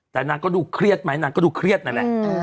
แต่นางก็ดูเครียดไหมนางก็ดูเครียดนั่นแหละ